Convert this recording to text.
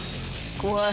怖い！